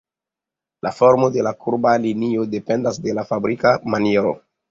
La formo de la kurba linio dependas de la fabrika maniero.